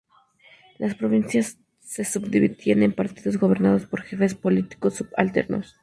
Las provincias se subdividían en partidos, gobernados por jefes políticos subalternos.